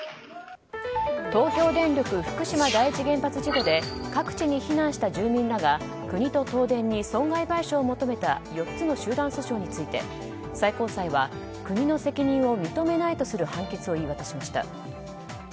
東京電力福島第一原発事故で各地に避難した住民らが国と東電に損害賠償を求めた４つの集団訴訟について最高裁は国の責任を認めないとする判決を言い渡しました。